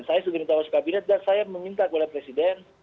saya sudah diminta masuk kabinet dan saya meminta oleh presiden